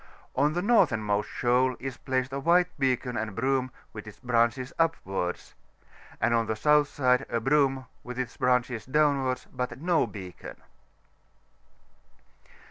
On the northernmost shoal is placed a white beacon and broom, with ks branehes upwards; and on the south side a broom, with its branches downwi»rds, but no beacon.